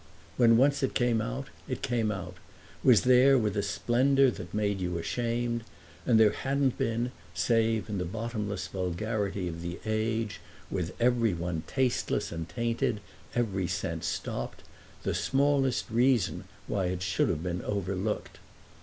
When once it came out it came out, was there with a splendour that made you ashamed; and there hadn't been, save in the bottomless vulgarity of the age, with every one tasteless and tainted, every sense stopped, the smallest reason why it should have been overlooked.